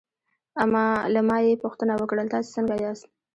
له ما یې پوښتنه وکړل: تاسې څنګه یاست؟